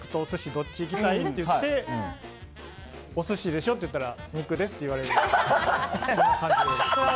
どっちに行きたい？と言ってお寿司でしょって言ったら肉ですって言われることも。